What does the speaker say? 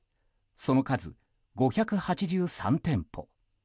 その数５８３店舗。